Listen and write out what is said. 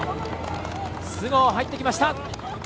須郷、入ってきました。